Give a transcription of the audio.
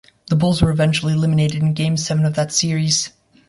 The Bulls were eventually eliminated in game seven of that series.